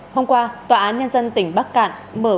hôm qua tòa án nhân dân tỉnh bắc cạn mở ra một nội dung chính